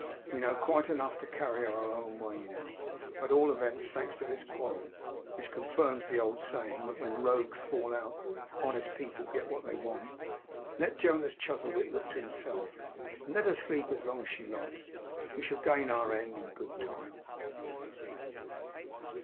We know quite enough to carry her our own way now, at all events; thanks to this quarrel, which confirms the old saying that when rogues fall out, honest people get what they want. Let Jonas Chuzzlewit look to himself; and let her sleep as long as she likes. We shall gain our end in good time.